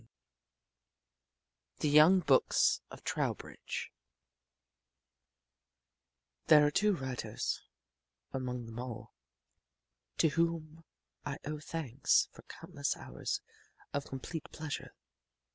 VII THE YOUNG BOOKS OF TROWBRIDGE There are two writers, among them all, to whom I owe thanks for countless hours of complete pleasure.